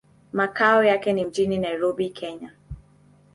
Makao yake ni mjini Nairobi, Kenya.